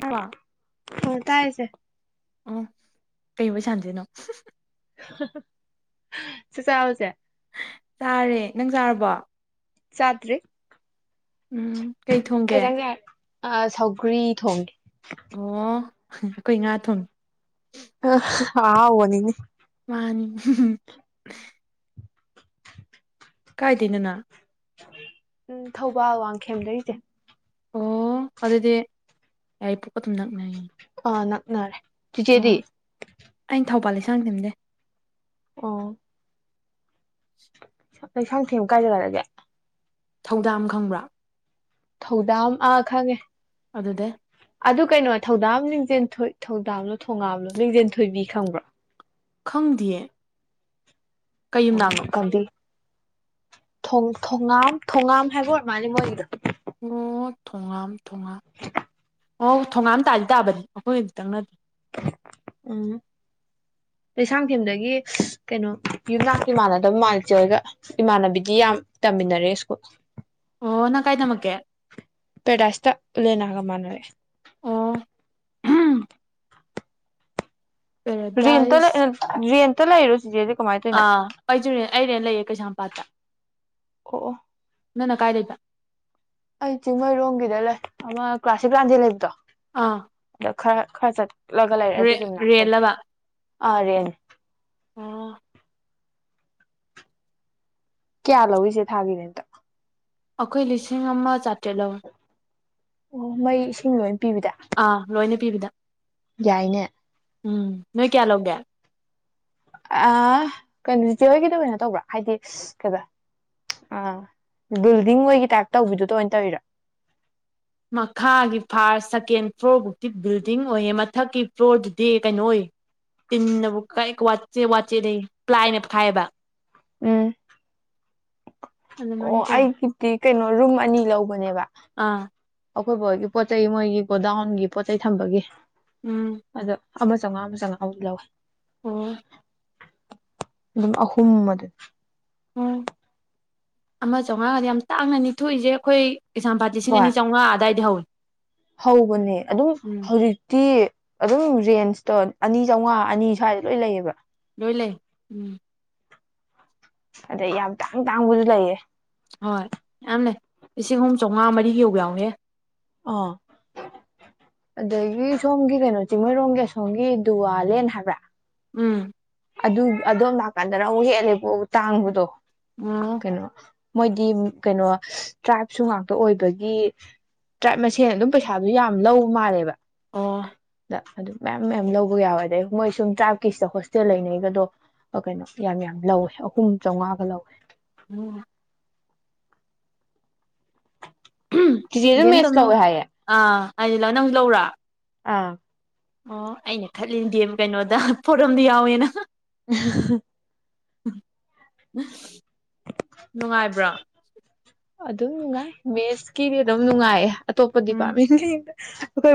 ꯆꯥꯔꯕꯣ ꯑ ꯇꯥꯏꯌꯦ ꯆꯦ ꯑꯣ ꯀꯩ ꯋꯌꯤ ꯁꯥꯟꯗꯣꯏꯅꯣ ꯆꯆꯕꯥ ꯆꯦ ꯆꯥꯔꯦ ꯅꯪ ꯆꯥꯔꯕꯣ ꯆꯥꯗ꯭ꯔꯤ ꯎꯝ ꯀꯩ ꯊꯣꯡꯒꯦ ꯀꯩꯖꯥꯡ ꯆꯥꯔꯦ ꯑ ꯁꯧꯒ꯭ꯔꯤ ꯊꯣꯡꯉꯤ ꯑꯈꯣꯏ ꯉꯥ ꯊꯣꯡꯉꯤ ꯑ ꯑꯍꯥꯎꯕꯅꯤꯅꯦ ꯑꯥꯅꯤ ꯀꯥꯏꯗꯅꯅ ꯎꯝ ꯊꯧꯕꯥꯜ ꯋꯥꯡꯈꯦꯝ ꯂꯩꯁꯦ ꯑꯣ ꯑꯗꯨꯗꯤ ꯌꯥꯏ ꯄꯣꯛꯀ ꯑꯗꯨꯝ ꯅꯛꯅꯌꯦꯦ ꯅꯛꯅꯔꯦ ꯇꯨꯆꯦꯗꯤ ꯑꯩꯅ ꯊꯧꯕꯥꯜ ꯂꯩꯁꯥꯡ ꯊꯦꯝꯗꯦ ꯑ [inaudible] ꯀꯩꯁꯥꯡ ꯊꯦꯝꯅꯨ ꯀꯥꯏꯖꯒꯔꯒꯦ ꯊꯧꯗꯥꯝ ꯈꯪꯕ꯭ꯔꯥ ꯊꯧꯗꯥꯝ ꯑꯥ ꯈꯪꯉꯦ ꯑꯗꯗꯦ ꯑꯗꯨ ꯀꯩꯅꯣ ꯊꯧꯗꯥꯝ ꯂ ꯊꯧꯗꯥꯝꯂꯣ ꯊꯣꯉꯥꯝꯂꯣ ꯂꯤꯡꯖꯦꯟ ꯊꯣꯏꯕꯤ ꯈꯪꯕ꯭ꯔꯥ ꯈꯪꯗꯤꯌꯦ ꯀꯩꯨꯝꯗꯥꯡꯅꯣ ꯊꯣꯉꯝ ꯊꯣꯉꯥꯝ ꯍꯥꯏꯕ ꯑꯣꯏ ꯃꯥꯅꯦ ꯃꯣꯏꯒꯤꯗꯣ ꯑꯣ ꯊꯣꯉꯝ ꯊꯣꯡꯉꯝ [inaudible] ꯑꯣ ꯊꯣꯒꯥꯥꯝ ꯇꯥꯗꯤ ꯇꯥꯕꯅꯤ ꯑꯩꯈꯣꯏꯅꯗꯤꯇꯪꯅꯗꯦ ꯎꯝ ꯂꯩꯁꯥꯡꯊꯦꯝꯗꯒꯤ ꯀꯩꯅꯣ ꯌꯨꯝꯅꯥꯛ ꯏꯃꯥꯟꯅꯗꯕ ꯃꯥꯖꯦꯔꯒ ꯏꯃꯥꯟꯅꯕꯤꯗꯤ ꯌꯥꯝ ꯇꯝꯃꯤꯟꯅꯔꯦ ꯁ꯭ꯀꯨꯜ ꯑꯣ ꯅ ꯀꯥꯏꯅꯃꯀꯦ ꯂꯂꯅꯅꯥꯒ ꯃꯅꯦ ꯔꯔꯤꯟꯇ ꯄꯦꯔꯥꯗꯥꯏꯁ ꯅꯔꯤꯟ ꯇꯠꯇ ꯂꯩꯔꯣ ꯁꯤꯖꯦꯗꯤ ꯑꯥ ꯑꯩꯁꯨꯦ ꯑꯩꯔꯦ ꯂꯩꯌꯦ ꯀꯩꯁꯥꯝꯄꯥꯠꯇ ꯑꯣ ꯑꯣ ꯅꯪꯅ ꯀꯥꯏ ꯂꯩꯇ ꯑꯩ ꯆꯤꯡꯃꯩꯔꯣꯡꯒꯤꯗ ꯂꯩ ꯑꯃ ꯀ꯭ꯂꯥꯁꯤꯛ ꯂꯥꯟꯗꯦ ꯂꯩꯕꯗꯣ ꯑꯥ ꯑꯗ ꯈꯔ ꯈꯔ ꯆꯠ ꯔꯦ ꯔꯔꯤꯂꯕ ꯑꯔꯦꯅꯦ [inaudible] ꯀꯌꯥ ꯂꯧꯏꯁꯦ ꯊꯥꯒꯤꯅꯦꯦꯇ ꯑꯩꯈꯣꯏ ꯂꯤꯁꯤꯡ ꯑꯃ ꯆꯥꯇ꯭ꯔꯦꯠꯂꯧ ꯑꯣ ꯃꯩ ꯁꯤ ꯑ ꯂꯣꯏꯅ ꯄꯤꯕꯤꯗ ꯌꯥꯏꯅꯦ ꯎꯝ ꯅꯣꯏ ꯀꯌꯥ ꯂꯧꯒꯦ ꯑ ꯀꯩꯅꯇꯣꯏꯒꯤꯗ ꯑꯣꯏꯅ ꯇꯧꯕ꯭ꯔꯥ ꯍꯥꯏꯗꯤ ꯀꯩꯗ ꯑ ꯕꯤꯜꯗꯤꯡ ꯑꯣꯏꯒꯤ ꯇꯥꯏꯞ ꯇꯧꯕꯤꯗꯨꯗ ꯑꯣꯏꯅ ꯇꯧꯋꯔꯥ ꯃꯈꯥꯒꯤ ꯐꯥꯔꯁ ꯁꯦꯀꯦꯟ ꯐ꯭ꯂꯣꯔꯐꯧꯗꯤꯤ ꯕꯤꯜꯗꯤꯡ ꯑꯣꯏꯌꯦꯦ ꯃꯊꯛꯀꯤ ꯐ꯭ꯂꯣꯔꯗꯨꯗꯤ ꯀꯩꯅꯣ ꯑꯣꯏ ꯇꯤꯟꯅꯕꯨ ꯀ ꯋꯥꯆꯦ ꯋꯥꯠꯆꯦ ꯂꯩ ꯄ꯭ꯂꯥꯏꯅꯈꯥꯏꯑꯕ ꯎꯝ ꯑꯣ ꯑꯗꯨꯃꯥꯏꯅ ꯑꯩ ꯇꯧꯋꯤ ꯀꯇꯤ ꯀꯩꯅꯣ ꯔꯨꯝ ꯑꯅꯤ ꯂꯧꯕꯅꯦꯕ ꯑꯥ ꯑꯩꯈꯣꯏꯕꯣꯏꯒꯤ ꯄꯣꯠ ꯆꯩꯩ ꯃꯣꯏꯒꯤ ꯒꯣꯗꯥꯎꯟꯒꯤ ꯄꯣꯠ ꯆꯩꯩ ꯊꯝꯕꯒꯤ ꯎꯝ ꯑꯗꯣ ꯑꯃ ꯆꯥꯝꯉꯥ ꯑꯃ ꯆꯥꯃꯉꯥꯃꯨ ꯂꯧꯋꯦ ꯑꯣ ꯑꯗꯨꯝ ꯑꯍꯨꯝ ꯃꯗꯤ ꯑꯣ ꯑꯃ ꯆꯥꯝꯃꯉꯥꯒꯗꯤ ꯌꯥꯝ ꯇꯥꯡꯅ ꯅꯤꯊꯣꯛꯏꯁꯦ ꯑꯩꯈꯣꯏ ꯀꯩꯥꯝꯄꯥꯠꯤꯁꯤꯡ ꯍꯣꯏ ꯑꯥꯝꯉꯥ ꯑꯗꯨꯋꯥꯏꯗꯤ ꯍꯧꯋꯏ ꯍꯧꯕꯅꯦ ꯑꯗꯨꯝ ꯍꯧꯖꯤꯛꯇꯤ ꯑꯗꯨꯝ ꯔꯦꯟꯁꯇꯣ ꯑꯅꯤ ꯆꯥꯝꯃꯉꯥ ꯑꯅꯤ ꯁ꯭ꯋꯥꯏꯗ ꯂꯣꯏ ꯂꯩꯌꯦꯕ ꯂꯣꯏ ꯂꯩ ꯎꯝ ꯑꯗꯩ ꯌꯥꯝ ꯇꯥꯡ ꯇꯥꯡꯕꯁꯨ ꯂꯩꯌꯦ ꯍꯣꯏ ꯌꯥꯝ ꯂꯩ ꯂꯤꯁꯤꯡ ꯑꯍꯨꯝ ꯆꯥꯃꯉꯥ ꯃꯔꯤ ꯌꯧꯕ ꯌꯥꯎꯍꯦ ꯑ ꯑꯗꯒꯤ ꯁꯣꯝꯒꯤ ꯀꯩꯅꯣ ꯆꯤꯡꯃꯩꯔꯣꯡꯝꯒꯤ ꯑꯁꯣꯝꯒꯤ ꯗꯨꯋꯥꯂꯦꯟ ꯍꯥꯏꯕ꯭ꯔꯥ ꯎꯝ ꯑꯗꯨ ꯑꯗꯣꯝ ꯂꯥꯛꯀꯥꯟꯗ ꯔꯨꯛ ꯍꯦꯛꯂꯦꯕ ꯇꯥꯡꯕꯗꯣ ꯑꯣ ꯀꯩꯅꯣ ꯃꯣꯏꯗꯤ ꯀꯩꯅꯣ ꯇ꯭ꯔꯥꯏꯕꯁꯨ ꯉꯥꯛꯇ ꯑꯣꯏꯕꯒꯤ ꯇ꯭ꯔꯥꯏꯕ ꯃꯁꯦꯜꯅ ꯑꯗꯨꯝ ꯄꯩꯁꯥꯗꯨ ꯌꯥꯝ ꯂꯧ ꯃꯥꯜꯂꯦꯕ ꯑ ꯗ ꯑꯗꯨ ꯃꯌꯥꯝ ꯃꯌꯥꯝ ꯂꯧꯕ ꯌꯥꯎꯋꯦ ꯑꯗꯩ ꯃꯣꯏ ꯁꯨꯝ ꯇ꯭ꯔꯥꯏꯞꯀꯤꯁꯤꯗ ꯍ ꯁꯦ ꯂꯩꯅꯩꯒꯗꯣ ꯀꯩꯅꯣ ꯌꯥꯝ ꯌꯥꯝ ꯂꯧꯋꯦ ꯑꯍꯨꯝ ꯆꯥꯃꯉꯥꯒ ꯂꯧꯋꯦ ꯎꯝ ꯆꯤꯖꯤꯦ ꯑꯗꯨꯝ ꯃꯦꯠꯁ ꯀꯧꯋꯦ ꯍꯥꯏꯌꯦꯦ ꯍꯥꯏꯗꯤ ꯅꯪꯁꯨ ꯂꯧꯔꯥ ꯑꯥ ꯑꯣ ꯑꯩꯅ ꯈꯠꯂꯤꯗꯤꯦ ꯀꯩꯅꯣꯗ ꯄꯣꯔꯝꯗꯤ ꯌꯥꯎꯋꯦꯅ [inaudible] ꯅꯨꯡꯉꯥꯏꯕ꯭ꯔꯥ ꯑꯗꯨꯝ ꯅꯨꯡꯉꯥꯏ ꯃꯦꯁꯀꯤꯗꯤ ꯑꯗꯨꯝ ꯅꯨꯡꯉꯥꯏꯌꯦ ꯑꯇꯣꯞꯄꯗꯤ ꯎꯝ ꯄꯥꯝꯃꯤ ꯑꯩꯈꯣꯏ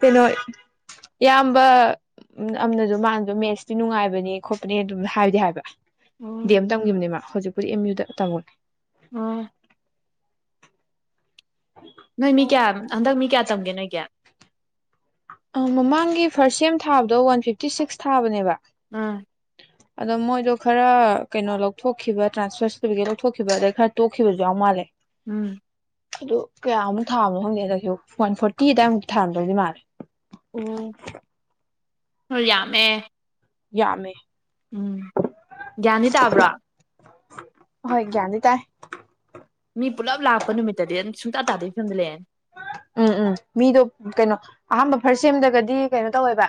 ꯀꯩꯅꯣ ꯏꯌꯥꯝꯕ ꯑꯃꯥꯅꯁꯨ ꯃꯥꯅꯗꯣ ꯃꯦꯠꯁꯇꯤ ꯅꯨꯡꯉꯥꯏꯕꯅꯦ ꯈꯣꯠꯄꯅꯦ ꯑꯗꯨꯝ ꯍꯥꯏꯕꯗꯤ ꯍꯥꯏꯕ ꯎꯝ ꯗꯦꯝ ꯇꯝꯈꯤꯕꯅꯦꯃ ꯍꯧꯖꯤꯛꯄꯨꯗꯤ ꯑꯦꯝ ꯌꯨꯗ ꯇꯥꯃꯣꯅꯦ ꯎꯝ ꯅꯣꯏ ꯃꯤ ꯀꯌꯥ ꯍꯟꯗꯛ ꯃꯤ ꯀꯌꯥ ꯇꯝꯒꯦ ꯅꯣꯏ ꯒꯤ ꯃꯃꯥꯡꯒꯤ ꯐꯥꯔꯁ ꯁꯦꯝ ꯊꯥꯕꯗꯣ ꯋꯥꯟ ꯐꯤꯐꯇꯤ ꯁꯤꯛꯁ ꯊꯥꯕꯅꯦꯕ ꯑꯥ ꯑꯗꯣ ꯃꯣꯏꯗꯣ ꯈꯔ ꯀꯩꯅꯣ ꯂꯧꯊꯣꯛꯈꯤꯕ ꯇ꯭ꯔꯥꯟꯁꯐꯔ ꯁꯥꯔꯇꯤꯐꯤꯀꯦꯠ ꯂꯧꯊꯣꯛꯈꯤꯕ ꯑꯗꯩ ꯈꯔ ꯇꯣꯛꯈꯤꯕꯁꯨ ꯌꯥꯎ ꯃꯥꯜꯂꯦ ꯎꯝ ꯑꯗꯨ ꯀꯌꯥꯃꯨꯛ ꯊꯥꯝꯃꯣ ꯈꯪꯗꯦꯗꯁꯨ ꯋꯥꯟ ꯐꯣꯔꯇꯤ ꯑꯗꯨꯋꯥꯏꯃꯨꯛ ꯊꯥꯔꯝꯗꯧꯗꯤ ꯃꯥꯜꯂꯦ ꯅꯣꯏ ꯌꯥꯝꯃꯦ ꯌꯥꯝꯃꯦ ꯎꯝ ꯒ꯭ꯌꯥꯟꯗꯤ ꯇꯥꯕ꯭ꯔꯥ ꯍꯣꯏ ꯒ꯭ꯌꯥꯟꯗꯤ ꯇꯥꯏ ꯃꯤ ꯄꯨꯂꯞ ꯂꯥꯛꯄ ꯅꯨꯃꯤꯠꯇꯗꯤ ꯑꯗꯨꯝ ꯁꯨꯡꯇꯥ ꯇꯥꯗꯕꯩ ꯐꯤꯚꯝꯗ ꯂꯩꯔꯥꯅꯤ ꯎꯝ ꯎꯝ ꯃꯤꯗꯣ ꯀꯩꯅꯣ ꯑꯍꯥꯟꯕ ꯐꯥ꯭ꯔꯁ ꯁꯦꯝꯗꯒꯗꯤ ꯀꯩꯅꯣ ꯇꯧꯋꯦꯕ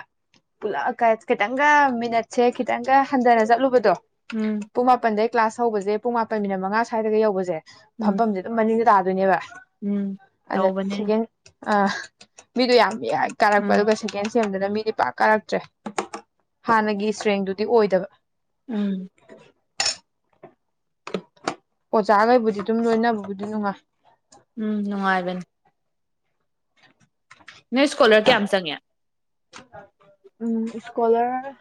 ꯄꯨꯂꯞ ꯈꯤꯇꯪꯒ ꯃꯤꯅꯠꯁꯦ ꯈꯤꯇꯪꯒ ꯍꯟꯊꯅ ꯆꯠꯂꯨꯕꯗꯣ ꯎꯝ ꯄꯨꯡ ꯃꯄꯟ ꯗꯩ ꯀ꯭ꯂꯥꯁ ꯍꯧꯕꯁꯦ ꯄꯨꯡ ꯃꯥꯄꯟ ꯃꯤꯅꯤꯠ ꯃꯉꯥ ꯁ꯭ꯋꯥꯏꯗꯒ ꯌꯧꯕꯁꯦ ꯎꯝ ꯐꯝꯐꯝꯁꯦ ꯑꯗꯨꯝ ꯃꯅꯤꯡꯗ ꯇꯥ ꯗꯣꯏ ꯅꯦꯕ ꯎꯝ ꯇꯧꯕ ꯃꯅꯦ ꯑ ꯃꯤꯗꯨ ꯌꯥꯝ ꯎꯝ ꯀꯥꯔꯛꯄꯗꯨꯒ ꯁꯦꯀꯦꯟ ꯁꯦꯝꯗꯅ ꯃꯤꯗꯤ ꯄꯥꯛ ꯀꯥꯔꯛꯇ꯭ꯔꯦ ꯍꯥꯟꯅꯒꯤ ꯏꯁꯇ꯭ꯔꯦꯡꯗꯨꯗꯤ ꯑꯣꯏꯗꯕ ꯎꯝ ꯑꯣꯖꯥꯈꯩꯕꯨꯗꯤ ꯑꯗꯨꯝ ꯂꯣꯏꯅꯕꯕꯨꯗꯤ ꯅꯨꯡꯉꯥꯏ ꯎꯝ ꯅꯨꯡꯉꯥꯏꯕꯅꯤ ꯅꯣꯏ ꯏꯁꯀꯣꯂꯔ ꯀꯌꯥꯝ ꯆꯪꯉꯦ ꯎꯝ ꯏꯁꯀꯣꯂꯔ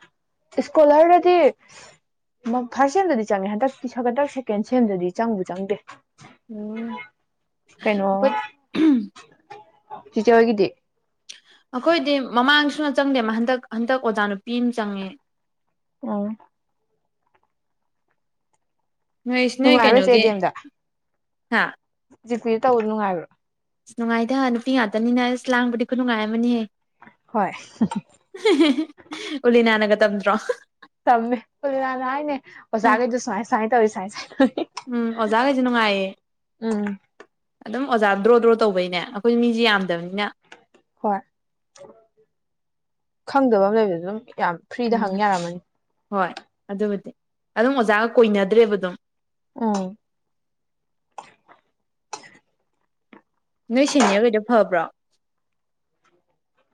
ꯏꯁꯀꯣꯂꯔꯗꯗꯤ ꯐꯥꯔꯁ ꯁꯦꯝꯗꯗꯤ ꯆꯪꯉꯦ ꯍꯟꯗꯛꯇ ꯍꯟꯗ ꯁꯦꯀꯦꯟ ꯁꯦꯝꯗꯗꯤ ꯆꯪꯕ ꯆꯪꯗꯦ ꯎꯝ ꯀꯩꯅꯣ ꯑꯩꯈꯣꯏ ꯁꯤꯆ ꯑꯣꯏꯒꯤꯗꯤ ꯑꯩꯈꯣꯏꯗꯤ ꯃꯃꯥꯡꯁꯨꯅ ꯆꯪꯗꯦ ꯃꯥ ꯍꯟꯗꯛ ꯍꯟꯗꯛ ꯑꯣꯖꯥ ꯅꯨꯄꯤ ꯑꯃ ꯆꯪꯉꯦ ꯎꯝ ꯅꯣꯏ ꯅꯣꯏ ꯅꯨꯡꯉꯥꯏꯔꯣꯏ ꯆꯦ ꯀꯩꯅꯣꯒꯤ ꯗꯤ ꯑꯝꯗ ꯍꯥ ꯖꯤꯠꯄꯤꯗ ꯇꯧꯕꯣ ꯅꯨꯡꯉꯥꯏꯕ꯭ꯔꯣ ꯑꯁ ꯅꯨꯡꯉꯥꯏꯇ ꯅꯨꯄꯤ ꯉꯥꯛꯇꯅꯤꯅꯦꯅ ꯑꯁ ꯂꯥꯡꯕꯗꯤ ꯈꯨ ꯅꯨꯡꯉꯥꯏ ꯑꯃꯅꯤꯅꯤꯍꯦ ꯍꯣꯏ [unintelligible] ꯎꯂꯤꯅꯅꯒ ꯇꯝ꯭ꯔꯣ ꯇꯝꯃꯦꯅꯅꯦ ꯑꯣꯁꯒꯦꯁꯨ ꯁ ꯁꯥꯏ ꯆꯥꯏ ꯎꯝ ꯑꯣꯖꯥ ꯀꯩꯁꯨ ꯅꯨꯡꯉꯥꯏꯑꯌꯦ ꯎꯝ ꯑꯗꯨꯝ ꯑꯣꯖꯥ ꯗ꯭ꯔꯣ ꯗ꯭ꯔꯣ ꯇꯧꯕꯩꯅꯦ ꯑꯩꯈꯣꯏ ꯃꯤꯁꯤ ꯌꯥꯝ ꯑꯗꯅ ꯍꯣꯏ ꯈꯪꯗꯕ ꯑꯃ ꯂꯩꯕꯗ ꯑꯗꯨꯝ ꯌꯥꯝ ꯐ꯭ꯔꯤꯗ ꯍꯪ ꯌꯥꯔꯝꯃꯅꯤ ꯍꯣꯏ ꯑꯗꯨꯕꯨꯗꯤ ꯑꯗꯨꯝ ꯑꯣꯖꯥꯒ ꯀꯣꯏꯅꯗ꯭ꯔꯦꯕ ꯑꯗꯨꯝ ꯎ ꯅꯣꯏ ꯁꯦꯅꯤꯌꯔꯈꯩꯗꯣ ꯐꯕ꯭ꯔꯣ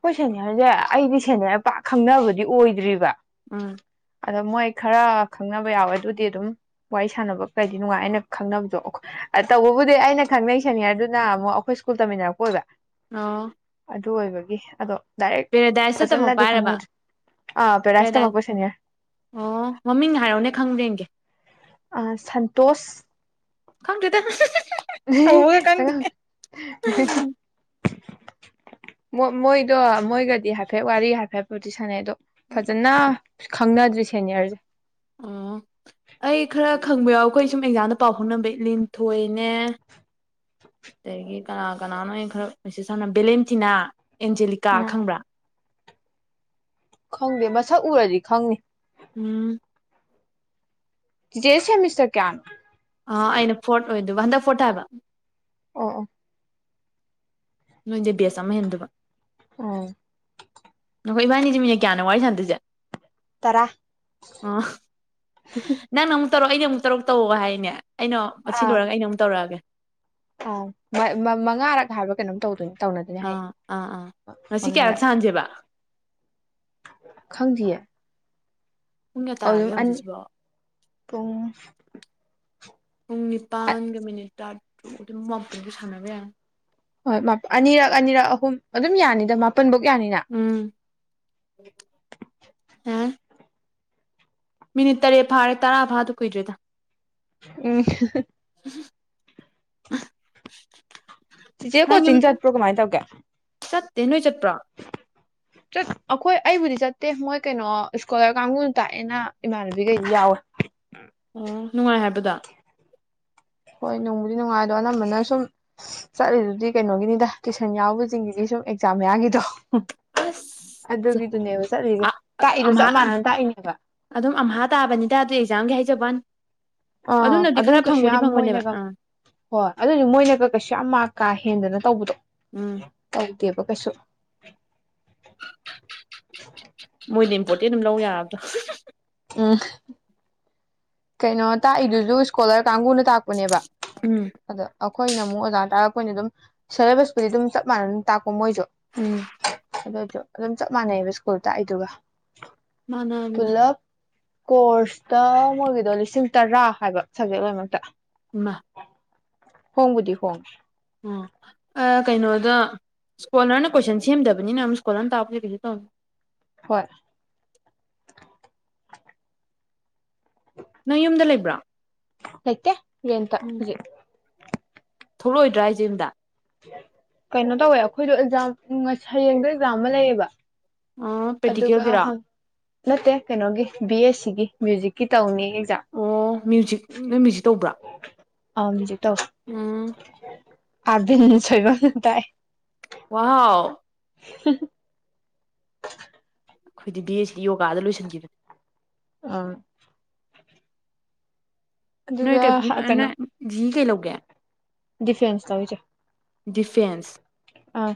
ꯍꯣꯏ ꯁꯦꯅꯤ ꯍꯥꯏꯁꯦ ꯑꯩꯗꯤ ꯁꯦꯅꯤꯔ ꯄꯥꯛ ꯈꯪꯅꯕꯗꯤ ꯑꯣꯏꯗ꯭ꯔꯤꯕ ꯎꯝ ꯑꯗꯣ ꯃꯣꯏ ꯈꯔ ꯈꯪꯅꯕ ꯌꯥꯎꯋꯦ ꯑꯗꯨꯗꯤ ꯑꯗꯨꯝ ꯋꯥꯔꯤ ꯁꯥꯟꯅꯕ ꯀꯩꯗꯤ ꯅꯨꯡꯉꯥꯏ ꯑꯩꯅ ꯈꯪꯅꯕꯗꯣ ꯇꯧꯕꯕꯨꯗꯤ ꯑꯩꯅ ꯈꯪꯅꯩ ꯁꯦꯅꯤꯌꯔꯗꯨꯅ ꯑꯃꯨꯛ ꯑꯩꯈꯣꯏ ꯁ꯭ꯀꯨꯜ ꯇꯝꯃꯤꯟꯅꯔꯛꯄ ꯑꯣꯏꯕ ꯑꯥ ꯍ ꯑꯣꯏꯕꯦ ꯑꯗꯣ ꯗꯥꯏꯔꯦꯛ ꯄꯦꯔꯥꯗꯥꯏꯁꯇ ꯇꯝꯃꯛꯣ ꯐꯖꯅꯗꯤ ꯄꯥꯏꯔꯕ ꯈꯪꯅꯗ꯭ꯔꯤ ꯑꯥ ꯄꯦꯔꯥꯏꯁ ꯄꯦꯔꯥꯗꯥꯏꯁ ꯇꯝꯃꯛꯄ ꯁꯦꯅꯤꯌꯔ ꯑꯣ ꯃꯃꯤꯡꯅ ꯍꯥꯏꯔꯛꯅꯦ ꯈꯪꯗ꯭ꯔꯦꯡꯒꯦ ꯁꯟꯇꯣꯁ ꯈꯪꯗꯦꯗ ꯍꯧꯕꯒ ꯈꯪꯗꯦ [inaudible] ꯃꯣꯏꯗꯣ ꯃꯣꯏꯒꯗꯤ ꯍꯥꯏꯐꯦꯠ ꯋꯥꯔꯤ ꯍꯥꯏꯐꯦꯠꯄꯗꯤ ꯁꯥꯟꯅꯩ ꯑꯗꯣ ꯐꯖꯅ ꯈꯪꯅꯗ꯭ꯔꯤ ꯁꯦꯅꯤꯌꯔꯁꯦ ꯑꯣ ꯑꯩ ꯈꯔ ꯈ ꯈꯪꯕ ꯌꯥꯎ ꯑꯩꯈꯣꯏ ꯁꯨꯝ ꯑꯦꯛꯖꯥꯝꯗ ꯄꯥꯎ ꯐꯥꯎꯅꯕ ꯏ ꯂꯤꯟꯊꯣꯏꯅꯦ ꯑꯗꯒꯤ ꯀꯅꯥ ꯀꯅꯥꯅꯣ ꯈꯔ ꯃꯦꯁꯦꯁ ꯁꯝꯅ ꯕꯦꯂꯦꯝꯁꯤꯤꯅꯥ ꯑꯦꯟꯖꯦꯂꯤꯀꯥ ꯎꯝ ꯈꯪꯕ꯭ꯔꯥ ꯈꯪꯗꯦ ꯃꯁꯛ ꯎꯔꯗꯤ ꯈꯪꯅꯤ ꯎꯝ ꯖꯦꯁꯦ ꯃꯤꯁꯇꯔ ꯀꯌꯥ ꯑ ꯑꯩꯅ ꯐꯣꯔꯠ ꯑꯣꯏꯗꯨꯕ ꯍꯟꯗꯛ ꯐꯇꯕ ꯑ ꯑ ꯅꯣꯏ ꯑꯃꯦꯟꯗꯕ ꯎꯝ ꯅꯈꯣꯏ ꯏꯃꯥꯅꯤ ꯃꯤꯃꯤꯅꯌꯥꯅ ꯋꯥꯔꯤ ꯁꯥꯟꯗꯣꯏꯁꯦ ꯇꯔꯥ ꯇꯧꯔꯛ ꯑꯩꯩꯅ ꯑꯃꯨꯛ ꯇꯧꯔꯛ ꯇꯧ ꯍꯥꯏꯅꯦ ꯑꯩꯅ ꯑꯁꯤ ꯂꯣꯏꯔꯒ ꯑꯩꯅ ꯑꯃꯨꯛ ꯇꯧꯔꯛꯑꯒꯦ ꯑꯥ ꯃꯉꯥꯔꯛ ꯍꯥꯏꯕ ꯀꯩꯅꯣꯝ ꯇꯧꯗꯣꯏꯅꯦ ꯑꯥ ꯑꯥ ꯑꯥ ꯉꯁꯤ ꯀꯌꯥꯔꯛ ꯃꯉꯥꯔꯛ ꯁꯥꯟꯝꯁꯦꯕ ꯈꯪꯗꯤꯌꯦ ꯄꯨꯡ ꯀꯌꯥ ꯑꯗꯨ ꯑꯗꯨꯝ ꯇꯥꯔꯒꯦ ꯑꯅꯤ ꯍꯧꯖꯤꯛꯁꯤꯕꯣ ꯄꯨꯡ ꯄꯨꯡ ꯅꯤꯄꯥꯟꯒ ꯃꯤꯅꯤꯠ ꯇꯔꯥꯇꯔꯨꯛ ꯑꯗꯨꯝ ꯑꯗꯨꯁꯨ ꯁꯥꯟꯅꯕ ꯑ ꯍꯣꯏ ꯑꯅꯤꯔꯛ ꯑꯅꯤꯔꯛ ꯑꯍꯨꯝ ꯑꯗꯨꯝ ꯌꯥꯅꯤꯗ ꯀꯨꯟꯐꯧ ꯌꯥꯅꯤꯅ ꯎꯝ ꯌꯥꯔꯅꯤ ꯃꯤꯅꯤꯠ ꯇꯔꯦꯠ ꯐꯥꯔꯦ ꯇꯔꯥ ꯐꯥꯗꯧ ꯀꯨꯏꯗꯔ꯭ꯦ ꯗ ꯎꯝ ꯎ ꯆꯤꯆꯦ ꯀꯣꯆꯤꯡ ꯆꯠꯄ꯭ꯔꯣ ꯀꯃꯥꯏꯅ ꯇꯧꯒꯦ ꯆꯠꯇꯦ ꯅꯣꯏ ꯆꯠꯄ꯭ꯔꯣ ꯆꯠ ꯑꯩꯈꯣꯏ ꯑꯩꯕꯨꯗꯤ ꯆꯠꯇꯦ ꯃꯣꯏ ꯀꯩꯅꯣ ꯏꯁꯀꯣꯂꯔ ꯀꯥꯡꯕꯨꯅ ꯇꯥꯛꯑꯦꯅ ꯏꯃꯥꯟꯅꯕꯤꯈꯩꯗꯤ ꯌꯥꯎꯋꯦ ꯑꯣ ꯅꯨꯡꯉꯥꯏ ꯍꯥꯏꯕꯔꯥꯗ ꯍꯣꯏ ꯅꯣꯡꯕꯨꯗꯤ ꯅꯨꯡꯉꯥꯏꯗꯣ ꯑꯅꯝꯕꯅ ꯁꯨꯝ ꯆꯠꯂꯤꯗꯨꯗꯤ ꯀꯩꯅꯣꯒꯤꯅꯤꯗ ꯇꯨꯏꯁꯟ ꯌꯥꯎꯕꯁꯤꯡꯒꯤꯗꯤ ꯁꯨꯝ ꯑꯦꯛꯖꯥꯝ ꯃꯌꯥꯒꯤꯗꯣ ꯑꯁ ꯑꯗꯨꯒꯤꯗꯨꯅꯦꯕ ꯆꯠꯂꯤꯁꯦ ꯇꯥꯛꯏꯗꯣ ꯆꯞ ꯑꯥ ꯃꯥꯟꯅꯅ ꯇꯥꯛꯏꯅꯦꯕ ꯑꯗꯨꯝ ꯑꯝꯍꯥ ꯇꯥꯕꯅꯤꯗ ꯑꯗꯨ ꯑꯦꯛꯖꯥꯝꯒꯤ ꯍꯥꯏ ꯕꯥꯟ ꯑꯥ ꯑꯗꯨꯝ ꯀꯩꯁꯨ ꯌꯥꯝ ꯃꯣꯏꯅꯒ ꯑꯥ ꯍꯣꯏ ꯑꯗꯨꯗꯤ ꯃꯣꯏꯅꯒ ꯀꯩꯁꯨ ꯌꯥꯝ ꯃꯥ ꯀꯥꯏ ꯍꯦꯟꯗꯅ ꯇꯧꯕꯗꯣ ꯎꯝ ꯇꯧꯗꯦꯕ ꯀꯩꯁꯨ [inaudible] ꯃꯣꯏꯅ ꯏꯝꯄꯣꯔꯠꯇꯦꯟ ꯑꯗꯨꯝ ꯂꯧ ꯌꯥꯔꯕꯗ꯭ꯔꯣ ꯎꯝ ꯀꯩꯅꯣ ꯇꯥꯛꯏꯗꯨꯁꯨ ꯏꯁꯀꯣꯂꯔ ꯀꯥꯡꯒꯨꯅ ꯇꯥꯛꯄꯅꯦꯕ ꯑꯗꯣ ꯑꯩꯈꯣꯏꯅ ꯑꯃꯨꯛ ꯑꯣꯖꯥꯅ ꯇꯥꯔꯛ ꯑꯩꯈꯣꯏꯅ ꯑꯗꯨꯝ ꯁꯦꯂꯦꯕꯁꯄꯨꯗꯤ ꯑꯗꯨꯝ ꯆꯞꯃꯥꯟꯅꯅ ꯇꯥꯛꯄ ꯀꯃꯣꯏꯖ ꯎꯝ [unintelligible] ꯑꯗꯨꯝ ꯆꯞ ꯃꯥꯟꯅꯩꯑꯕ ꯁ꯭ꯀꯨꯜ ꯇꯥꯛꯏꯗꯨꯒ ꯃꯥꯟꯅꯕꯅꯦ ꯄꯨꯂꯞ ꯀꯣꯔꯁꯇ ꯃꯣꯏꯒꯤꯗꯣ ꯑꯗꯣ ꯂꯤꯁꯤꯡ ꯇꯔꯥ ꯍꯥꯏꯕ ꯁꯕꯖꯦꯛ ꯂꯣꯏꯅꯃꯛꯇ ꯏꯃꯥ ꯍꯣꯡꯕꯨꯗꯤ ꯍꯣꯡꯏ ꯑꯣ ꯀꯩꯅꯣꯗ ꯏꯁꯀꯣꯂꯔꯅ ꯀꯣꯏꯁꯟ ꯁꯦꯝꯗꯕꯅꯤꯅ ꯑꯃꯨꯛ ꯏꯁꯀꯣꯂꯔ ꯑꯃ ꯇꯥꯛꯄꯁꯦ ꯀꯩꯁꯨ ꯇꯧꯅꯤ ꯍꯣꯏ ꯅꯪ ꯌꯨꯝꯗ ꯂꯩꯕ꯭ꯔꯥ ꯂꯩꯇꯦ ꯔꯦꯟꯠꯇ ꯍꯧꯖꯤꯛ ꯊꯣꯛꯂꯛꯑꯣꯏꯗ꯭ꯔꯥ ꯍꯥꯏꯁꯦ ꯌꯨꯝꯗ ꯀꯩꯅꯣ ꯇꯧꯋꯦ ꯑꯩꯈꯣꯏꯗꯣ ꯑꯦꯛꯖꯥꯝ ꯍꯌꯦꯡꯗ ꯑꯦꯛꯖꯥꯝ ꯑꯃ ꯂꯩꯌꯦꯕ ꯑꯥ practical ꯑꯗꯨꯒ ꯒꯤꯔꯣ ꯅꯠꯇꯦ ꯀꯩꯅꯣꯒꯤ ꯕꯤ ꯑꯦꯁ ꯁꯤꯒꯤ ꯃ꯭ꯌꯨꯖꯤꯛꯀꯤ ꯇꯧꯅꯤ ꯑꯦꯛꯖꯥꯝ ꯑꯣ ꯃ꯭ꯌꯨꯖꯤꯛ ꯅꯣꯏ ꯃ꯭ꯌꯨꯖꯤꯛ ꯇꯧꯕ꯭ꯔꯥ ꯑ [unintelligible] ꯎꯝ ꯑꯔꯕꯤꯟ ꯁꯣꯏꯕꯝ ꯇꯥꯛꯏ ꯋꯥꯍ [inaudible] ꯑꯩꯈꯣꯏꯗꯤ ꯕꯤ ꯑꯦ ꯁꯤꯗꯤ ꯌꯣꯒꯥꯗ ꯂꯣꯏꯁꯤꯟꯈꯤꯕꯅꯦ ꯑꯥ ꯅꯣꯏ ꯑꯗꯨꯒ ꯀ ꯅꯣꯏ ꯀꯩꯅꯣ ꯖꯤ ꯏ ꯀꯩ ꯂꯧꯒꯦ [unintelligible] ꯗꯤꯐꯦꯟꯁ ꯇꯧꯏ ꯆꯦ ꯗꯤꯐꯦꯟꯁ ꯑꯥ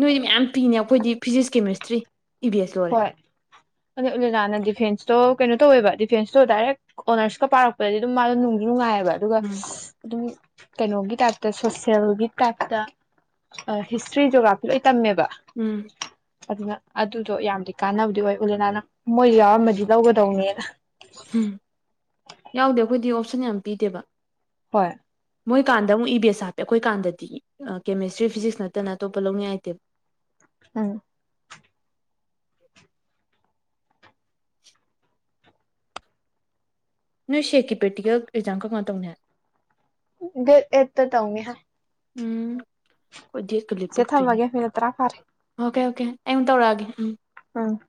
ꯅꯣꯏꯗꯤ ꯃꯌꯥꯝ ꯄꯤꯅꯦ ꯑꯩꯈꯣꯏꯗꯤ physics chemistry E V S ꯂꯣꯏꯔꯦ ꯍꯣꯏ ꯑ ꯎꯂꯅꯥꯅ ꯗꯤꯐꯦꯟꯁꯇꯣ ꯀꯩꯅꯣ ꯇꯧꯋꯦꯕ ꯗꯤꯐꯦꯟꯁꯇꯣ ꯗꯥꯏꯔꯦꯛ ꯑꯣꯅꯔꯁꯀ ꯄꯥꯔꯛꯄꯗꯗꯤ ꯑꯗꯨꯝ ꯃꯥꯗꯣ ꯅꯨꯡꯁꯨ ꯅꯨꯡꯉꯥꯏꯑꯕ ꯑꯗꯨꯒ ꯎꯝ ꯑꯗꯨ ꯀꯩꯅꯣꯒꯤ ꯇꯥꯏꯞꯇ ꯁꯣꯁꯦꯜꯒꯤ ꯇꯥꯏꯞꯇ ꯍꯤꯁꯇ꯭ꯔꯤ ꯖꯣꯒ꯭ꯔꯥꯐꯤ ꯂꯣꯏ꯫ ꯇꯝꯕ ꯎꯝ ꯑꯗꯨꯅ ꯑꯗꯨ ꯑꯗꯨꯣ ꯌꯥꯝꯗꯤ ꯀꯥꯟꯕꯨꯗꯤ ꯑꯣꯏ ꯎꯂꯦꯅꯥꯅ ꯃꯣꯏꯁꯨ ꯌꯥꯎꯔꯃꯗꯤ ꯂꯧꯒꯗꯧꯅꯦꯅ ꯎꯝ ꯌꯥꯎꯗꯦ ꯑꯩꯈꯣꯏꯗꯤ ꯑꯣ ꯁꯟ ꯅꯦꯜ ꯄꯤꯗꯦꯕ ꯍꯣꯏ ꯃꯣꯏ ꯀꯥꯟꯗ ꯑꯃꯨꯛ ꯏ ꯕꯤ ꯑꯦꯁ ꯍꯥꯞꯄꯦ ꯑꯩꯈꯣꯏ ꯀꯥꯟꯗꯗꯤ ꯀꯦꯃꯦꯁ ꯇ꯭ꯔꯤ ꯐꯤꯖꯤꯛꯁ ꯅꯠꯇꯅ ꯑꯇꯣꯞꯄ ꯂꯧꯅꯤꯡ ꯉꯥꯏ ꯂꯩꯇꯦ ꯑꯝ [inaudible] ꯅꯣꯏ ꯁꯦꯛꯀꯤ ꯄ꯭ꯔꯦꯛꯇꯤꯀꯦꯜ ꯑꯦꯛꯖꯥꯝ ꯀꯔꯝ ꯀꯥꯟꯗ ꯇꯧꯅꯤ ꯍꯥꯏ ꯗꯦꯠ ꯑꯩꯠꯇ ꯇꯧꯅꯤ ꯍꯥꯏ꯫ ꯎꯝ ꯑꯩꯈꯣꯏ ꯗꯦꯠꯀ ꯆꯦ ꯂꯦꯞꯄꯛꯇ꯭ꯔꯤꯅꯦ ꯊꯝꯃꯒꯦ ꯃꯤꯅꯤꯠ ꯇꯔꯥ ꯐꯥꯔꯦ ꯑꯣꯀꯦ ꯑꯣꯀꯦ ꯑꯩ ꯑꯃꯨꯛ ꯇꯧꯔꯛꯑꯒꯦ ꯎꯝ ꯎꯝ